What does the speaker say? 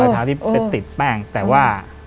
ใช่รอยเท้าที่เป็นติดแป้งแต่ว่า